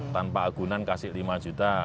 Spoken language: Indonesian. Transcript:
tanpa agunan kasih lima juta